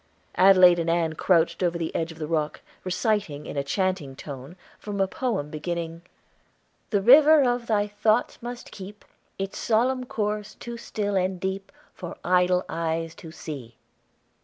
Adelaide and Ann crouched over the edge of the rock, reciting, in a chanting tone, from a poem beginning: "The river of thy thoughts must keep its solemn course too still and deep For idle eyes to see."